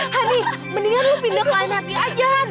hani mendingan lo pindah ke lain hati aja han